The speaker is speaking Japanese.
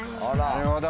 なるほど！